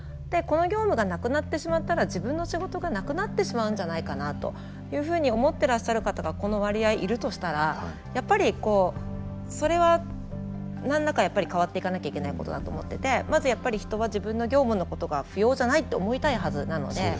でこの業務がなくなってしまったら自分の仕事がなくなってしまうんじゃないかなというふうに思ってらっしゃる方がこの割合いるとしたらやっぱりそれは何らかやっぱり変わっていかなきゃいけないことだと思っててまずやっぱり人は自分の業務のことが不要じゃないって思いたいはずなので。